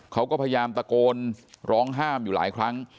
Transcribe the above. เขาก็พยายามตะโกนร้องห้ามอยู่หลายครั้ง